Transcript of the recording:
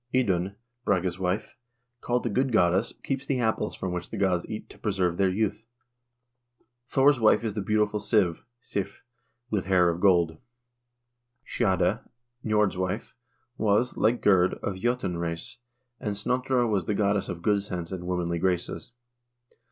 Idun, Brage's wife, called the good goddess, keeps the apples from which the gods eat to preserve their youth. Thor's wife is the beautiful Siv (Sif), with hair of gold. Skade, Nj0rd's wife, was, like Gerd, of J0tun race, and Snotra was the goddess of good sense and womanly graces.